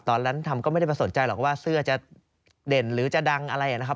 ตอนนั้นทำก็ไม่ได้ประสนใจหรอกว่าเสื้อจะเด่นหรือจะดังอะไรนะครับ